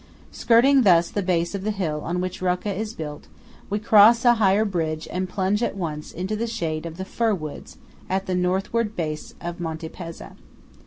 Skirting thus the base of the hill on which Rocca is built, we cross a higher bridge and plunge at once into the shade of the firwoods at the northward base of Monte Pezza.